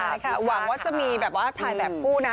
ใช่ค่ะหวังว่าจะมีแบบว่าถ่ายแบบคู่นะ